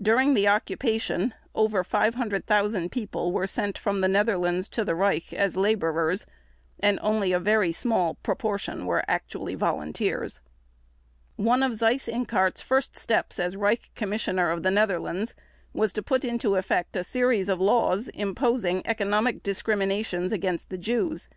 During the occupation over 500,000 people were sent from the Netherlands to the Reich as laborers and only a very small proportion were actually volunteers. One of Seyss Inquart's first steps as Reich Commissioner of the Netherlands was to put into effect a series of laws imposing economic discriminations against the Jews.